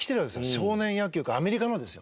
少年野球がアメリカのですよ。